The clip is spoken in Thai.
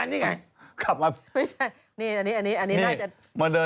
รีแพร์หน้าเหรอ